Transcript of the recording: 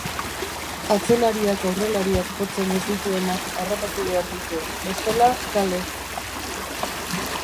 Atzelariak aurrelariak jotzen ez dituenak harrapatu behar ditu, bestela kale!